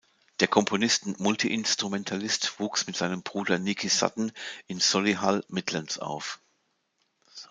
Der Komponist und Multiinstrumentalist wuchs mit seinem Bruder Nikki Sudden in Solihull, Midlands auf.